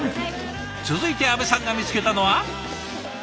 続いて阿部さんが見つけたのは。